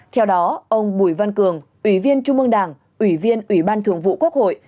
theo đó ông bùi văn cường ủy viên trung mương đảng ủy viên ủy ban thường vụ quốc hội